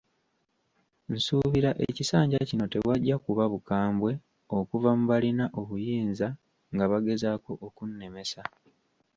Nsuubira ekisanja kino tewajja kuba bukambwe okuva mu balina obuyinza nga bagezaako okunnemesa.